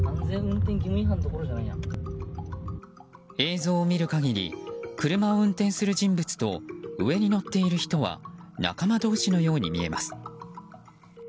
映像を見る限り車を運転する人物と上に乗っている人は仲間同士のように見えます。